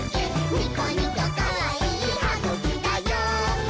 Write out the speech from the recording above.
ニコニコかわいいはぐきだよ！」